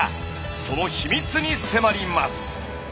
その秘密に迫ります！